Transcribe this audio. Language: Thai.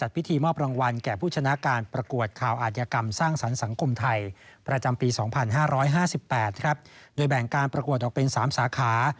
โดยแบ่งการประกวดออกเป็น๓สาขา